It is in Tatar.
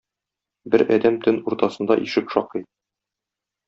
Бер адәм төн уртасында ишек шакый.